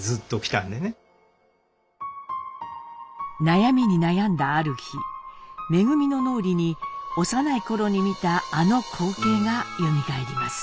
悩みに悩んだある日恩の脳裏に幼い頃に見たあの光景がよみがえります。